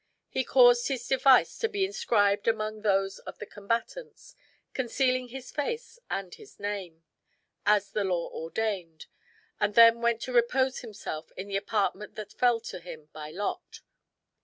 He caused his device to be inscribed among those of the combatants, concealing his face and his name, as the law ordained; and then went to repose himself in the apartment that fell to him by lot.